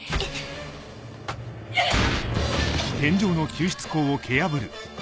うっ！